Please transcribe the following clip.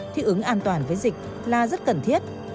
thích ứng an toàn với dịch là rất cần thiết